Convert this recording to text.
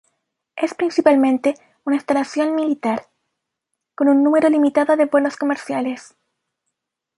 Es principalmente una instalación militar, con un número limitado de vuelos comerciales.